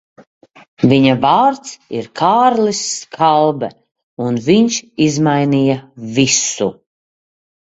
Viņa vārds ir Kārlis Skalbe, un viņš izmainīja visu.